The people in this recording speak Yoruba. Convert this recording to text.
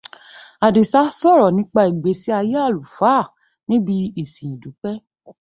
Àdìsá sọ̀rọ̀ nípa ìgbésí-ayé àlùfáà níbi ìsìn ìdúpẹ́.